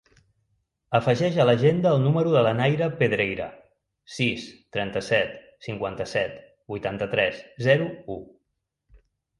Afegeix a l'agenda el número de la Naira Pedreira: sis, trenta-set, cinquanta-set, vuitanta-tres, zero, u.